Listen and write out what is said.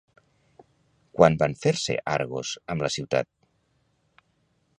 Quan van fer-se Argos amb la ciutat?